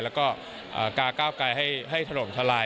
แล้วก็กาก้าวไกลให้ถล่มทลาย